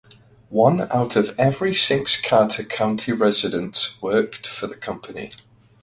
One out of every six Carter County residents worked for the company.